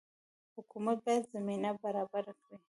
حکومت باید زمینه برابره کړي